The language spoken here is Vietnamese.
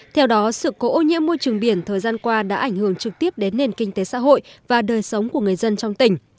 theo đó sự cố ô nhiễm môi trường biển thời gian qua đã ảnh hưởng trực tiếp đến nền kinh tế xã hội và đời sống của người dân trong tỉnh